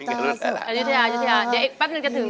เดี๋ยวแป๊บหนึ่งก็ถึง